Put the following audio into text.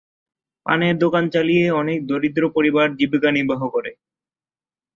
পানের দোকান চালিয়ে অনেক দরিদ্র পরিবার জীবিকা নির্বাহ করে।